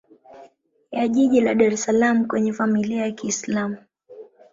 ya jiji la Dar es salaam kwenye Familia ya kiislam